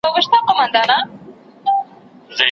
ترې چاپېر د لويي وني وه ښاخونه